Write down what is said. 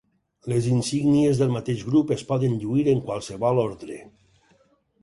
Les insígnies del mateix grup es poden lluir en qualsevol ordre.